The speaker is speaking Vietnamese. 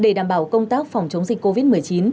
để đảm bảo công tác phòng chống dịch covid một mươi chín